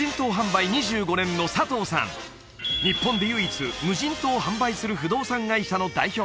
日本で唯一無人島を販売する不動産会社の代表